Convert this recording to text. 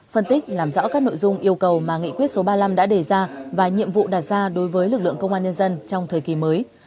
phân tích làm rõ các nội dung yêu cầu mà nghị quyết số ba mươi năm đã đề ra và nhiệm vụ đặt ra đối với lực lượng công an nhân dân trong thời kỳ mới